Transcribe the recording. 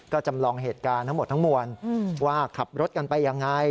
ก็จำลองเหตุการณ์ทั้งหมดทั้งมวลว่าขับรถกันไปยังไง